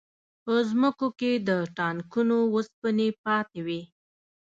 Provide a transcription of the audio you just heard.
په ځمکو کې د ټانکونو وسپنې پاتې وې